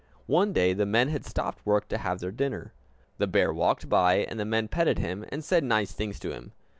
One day the men had stopped work to have their dinner. The bear walked by, and the men petted him and said nice things to him.